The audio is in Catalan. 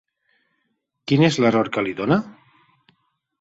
Quin és l'error que li dona?